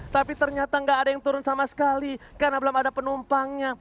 tapi ternyata nggak ada yang turun sama sekali karena belum ada penumpangnya